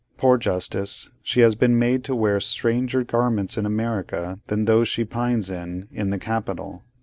Poor Justice! she has been made to wear much stranger garments in America than those she pines in, in the Capitol.